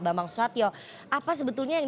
bambang soekarno satio apa sebetulnya yang